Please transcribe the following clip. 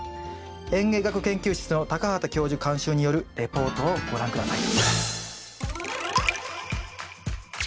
園芸学研究室の畑教授監修によるレポートをご覧下さい。